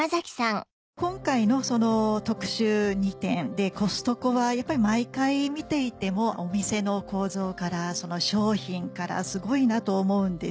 今回の特集２点でコストコはやっぱり毎回見ていてもお店の構造からその商品からすごいなと思うんです。